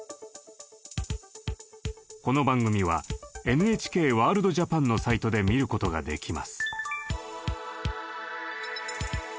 この番組は「ＮＨＫワールドＪＡＰＡＮ」のサイトで見ることができます。